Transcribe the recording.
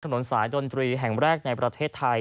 ถนนสายดนตรีแห่งแรกในประเทศไทย